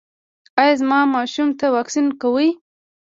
ایا زما ماشوم ته واکسین کوئ؟